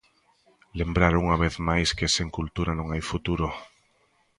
Lembraron unha vez máis que sen cultura non hai futuro.